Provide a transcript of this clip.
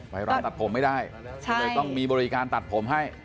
ร้านตัดผมไม่ได้เลยต้องมีบริการตัดผมให้